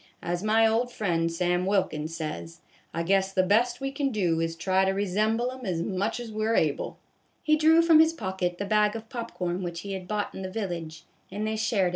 As my old friend, Sam Wilkins, says, I guess the best we can do is to try to resemble 'em as much as we 're able." He drew from his pocket the bag of pop corn which he had bought in the village, and they shared A BAG OF POP CORN.